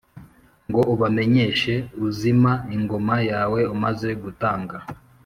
ngo ubamenyeshe ūzima ingoma yawe, umaze gutanga.